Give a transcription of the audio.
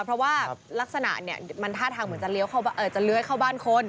เพราะว่าลักษณะเนี่ยมันท่าทางเหมือนจะเลี้ยจะเลื้อยเข้าบ้านคน